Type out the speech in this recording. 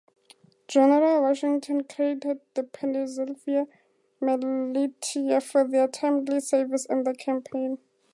General Washington credited the Pennsylvania militia for their timely service in this campaign.